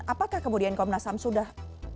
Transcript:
apakah kemudian komnas ham sudah